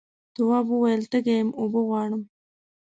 تواب وویل تږی یم اوبه غواړم.